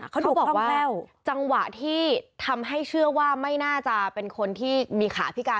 เขาบอกคล่องแคล่วจังหวะที่ทำให้เชื่อว่าไม่น่าจะเป็นคนที่มีขาพิการ